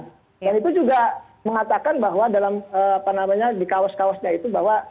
dan itu juga mengatakan bahwa dalam apa namanya di kawas kawasnya itu bahwa